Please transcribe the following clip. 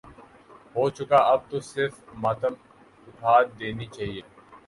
ہو چکا اب تو صف ماتم اٹھاد ینی چاہیے۔